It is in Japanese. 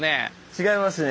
違いますね。